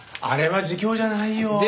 あれは自供じゃないよ。